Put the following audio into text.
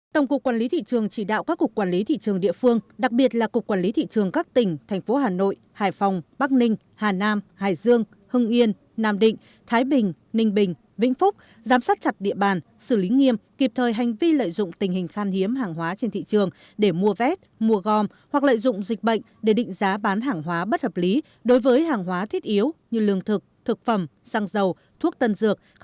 tổng cục quản lý thị trường chỉ đạo các cục quản lý thị trường địa phương đặc biệt là cục quản lý thị trường các tỉnh thành phố hà nội hải phòng bắc ninh hà nam hải dương hưng yên nam định thái bình ninh bình vĩnh phúc giám sát chặt địa bàn xử lý nghiêm kịp thời hành vi lợi dụng tình hình khan hiếm hàng hóa trên thị trường để mua vét mua gom hoặc lợi dụng dịch bệnh để định giá bán hàng hóa bất hợp lý đối với hàng hóa thiết yếu như lương thực thực phẩm xăng dầu thuốc